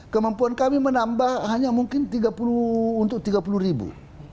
kemampuan kami menambah hanya mungkin untuk tiga puluh ribu